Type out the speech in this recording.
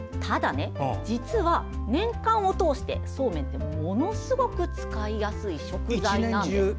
実は年間を通してそうめんって使いやすい食材なんです。